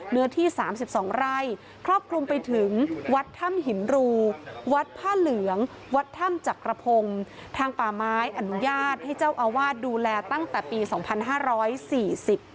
เนื้อที่สามสิบสองไร่ครอบคลุมไปถึงวัดถ้ำหินรูวัดผ้าเหลืองวัดถ้ำจักรพงศ์ทางป่าไม้อนุญาตให้เจ้าอาวาสดูแลตั้งแต่ปีสองพันห้าร้อยสี่สิบ